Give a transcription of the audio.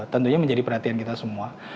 tentunya menjadi perhatian kita semua